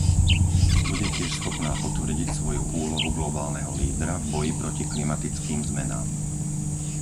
Bude tiež schopná potvrdiť svoju úlohu globálneho lídra v boji proti klimatickým zmenám.